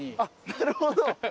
なるほど。